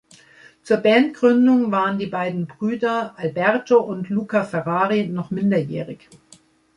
Zur Bandgründung waren die beiden Brüder Alberto und Luca Ferrari noch minderjährig.